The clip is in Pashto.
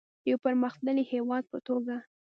د یو پرمختللي هیواد په توګه.